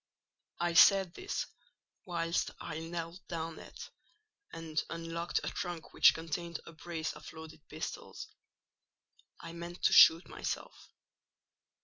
"I said this whilst I knelt down at, and unlocked a trunk which contained a brace of loaded pistols: I meant to shoot myself.